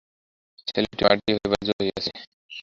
ছেলেটিও মাটি হইবার জো হইয়াছে।